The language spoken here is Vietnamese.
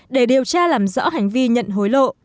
để điều tra làm rõ hành vi nhận hối lộ